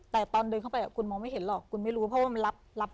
แต่ตอนเดินเข้าไปคุณมองไม่เห็นหรอกคุณไม่รู้เพราะว่ามันรับ